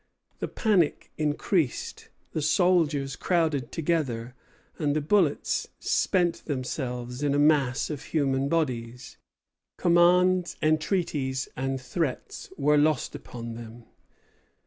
The panic increased; the soldiers crowded together, and the bullets spent themselves in a mass of human bodies. Commands, entreaties, and threats were lost upon them.